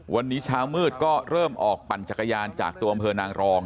วันนี้เช้ามืดก็เริ่มออกปั่นจักรยานจากตัวอำเภอนางรอง